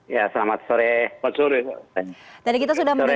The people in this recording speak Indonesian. ya selamat sore